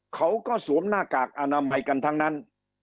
สวมหน้ากากอนามัยกันทั้งนั้น